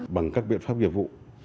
bằng các biện pháp dịch vụ